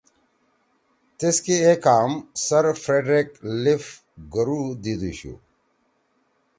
تیسکے اے کام سر فریڈرک لیِف کَرو دیِدُوشُو